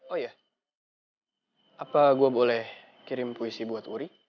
oh iya apa gue boleh kirim puisi buat uri